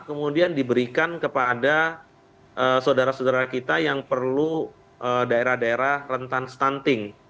kemudian diberikan kepada saudara saudara kita yang perlu daerah daerah rentan stunting